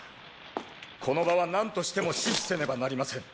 この場はなんとしても死守せねばなりません。